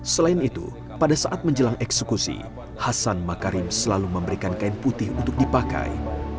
selain itu pada saat menjelang eksekusi hasan makarim selalu memberikan kain putih untuk dipakai